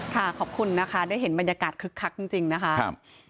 ขอบคุณนะคะได้เห็นบรรยากาศคึกคักจริงนะคะ